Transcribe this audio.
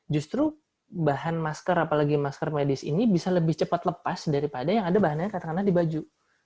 justru bahan masker apalagi masker medis ini bisa lebih cepat lepas daripada yang ada bahannya katakanlah di baju